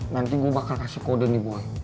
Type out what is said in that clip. nanti gue bakal kasih kode nih gue